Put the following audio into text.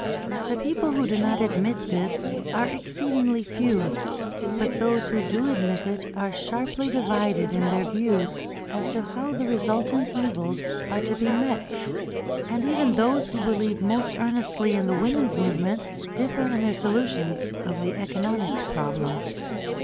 The people who do not admit this are exceedingly few; but those who do admit it are sharply divided in their views as to how the resultant evils are to be met, and even those who believe most earnestly in the women's movement, differ in their solutions of the economic problem.